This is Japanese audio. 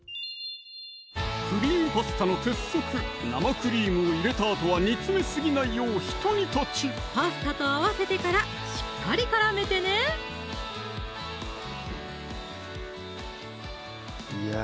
クリームパスタの鉄則生クリームを入れた後は煮詰めすぎないようひと煮立ちパスタと合わせてからしっかり絡めてねいや